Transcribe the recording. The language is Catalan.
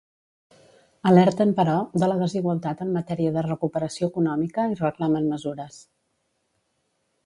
Alerten, però, de la desigualtat en matèria de recuperació econòmica i reclamen mesures.